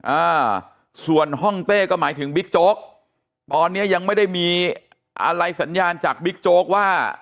อ่าส่วนห้องเต้ก็หมายถึงบิ๊กโจ๊กตอนเนี้ยยังไม่ได้มีอะไรสัญญาณจากบิ๊กโจ๊กว่า